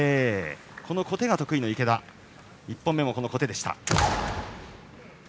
小手が得意の池田は１本目も小手でした。